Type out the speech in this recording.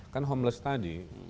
kan homeless tadi